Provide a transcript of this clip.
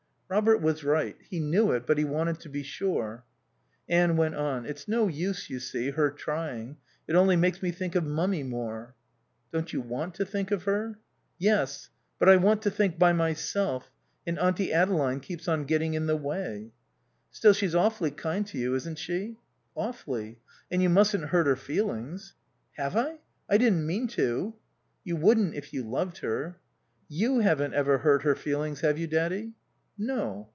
Robert was right. He knew it, but he wanted to be sure. Anne went on. "It's no use, you see, her trying. It only makes me think of Mummy more." "Don't you want to think of her?" "Yes. But I want to think by myself, and Auntie Adeline keeps on getting in the way." "Still, she's awfully kind to you, isn't she?" "Awfully." "And you mustn't hurt her feelings." "Have I? I didn't mean to." "You wouldn't if you loved her." "You haven't ever hurt her feelings, have you, Daddy?" "No."